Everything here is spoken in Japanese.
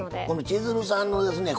千鶴さんのですね